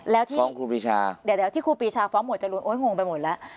เดี๋ยวที่ครูปีชาฟ้องหมวดจรูลโอ้ยงงไปหมดละ